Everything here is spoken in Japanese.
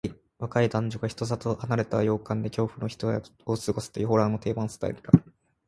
若い男女が人里離れた洋館で恐怖の一夜を過ごすという、ホラーの定番スタイルだ。